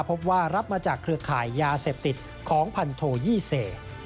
พบว่ารับมาจากเครือข่ายยาเสพติดของพันโทยี่เซ